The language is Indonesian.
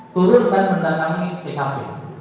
turut dan mendatangi tkp